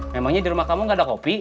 memangnya di rumah kamu gak ada kopi